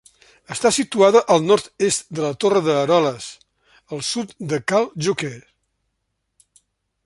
Està situada al nord-est de la Torre d'Eroles, al sud de Cal Joquer.